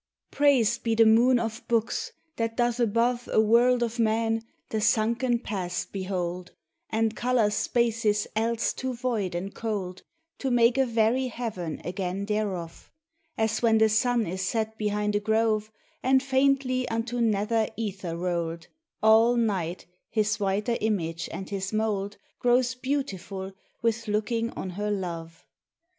Praised be the moon of books! that doth above A world of men, the sunken Past behold, And colour spaces else too void and cold, To make a very heaven again thereof; As when the sun is set behind a grove, And faintly unto nether ether rolled, All night, his whiter image and his mould Grows beautiful with looking on her love.